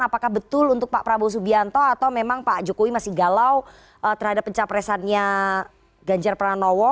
apakah betul untuk pak prabowo subianto atau memang pak jokowi masih galau terhadap pencapresannya ganjar pranowo